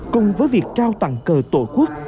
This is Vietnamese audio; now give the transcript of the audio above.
cùng với việc trao tặng cờ tổ quốc